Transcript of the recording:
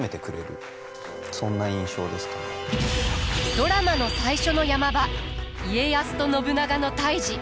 ドラマの最初の山場家康と信長の対じ。